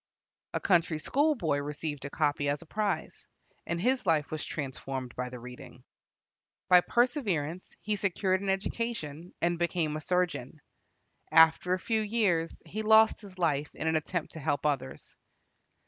A country schoolboy received a copy as a prize, and his life was transformed by the reading. By perseverance he secured an education, and became a surgeon. After a few years he lost his life in an attempt to help others.